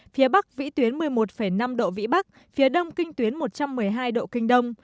phía bắc vĩ tuyến một mươi một năm độ vĩ bắc phía đông kinh tuyến một trăm một mươi hai độ kinh đông